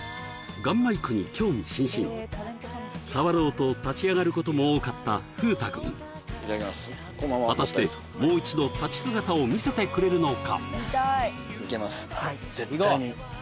ガンマイクに興味津々触ろうと立ち上がることも多かった風太君果たしてもう一度立ち姿を見せてくれるのか？